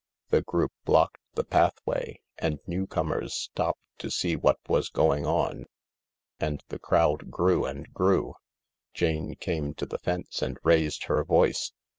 The group blocked the pathway, and newcomers stopped to see what was going on, and the crowd grew and grew, Jane came to the fence and raised her voice.